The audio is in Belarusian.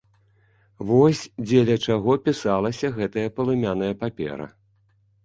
Вось дзеля чаго пісалася гэтая палымяная папера.